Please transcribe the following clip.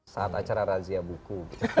saat acara rahasia buku